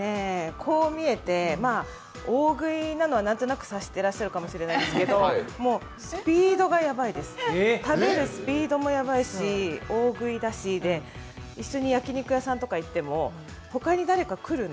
こう見えて、大食いなのは何となく察してらっしゃるかもしれないですけどスピードがやばいです、食べるスピードもやばいし大食いだしで、一緒に焼き肉やさんとか行っても他に誰か来るの？